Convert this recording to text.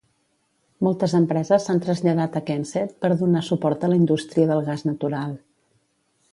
Moltes empreses s'han traslladat a Kensett per donar suport a la indústria del gas natural.